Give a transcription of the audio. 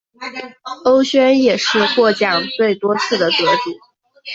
欧萱也是获奖最多次的得主。